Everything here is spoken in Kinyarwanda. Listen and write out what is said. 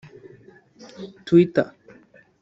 Twitter